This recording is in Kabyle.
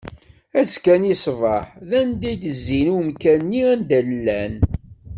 Azekka-nni ṣṣbeḥ, d nnda i d-izzin i umkan-nni anda i llan.